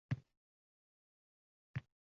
Bu jarayon hamon davom etmoqda.